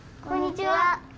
こんにちは。